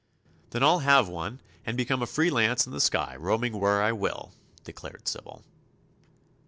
"Then I'll have one and become a free lance in the sky, roaming where I will," declared Sybil.